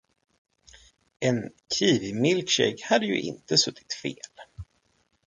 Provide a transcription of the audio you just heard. En kiwimilkshake hade ju inte suttit fel.